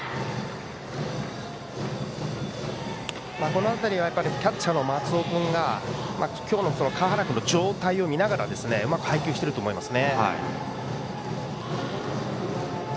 この辺り、やはりキャッチャーの松尾君が今日の川原君の状態を見ながらうまく配球していると思います。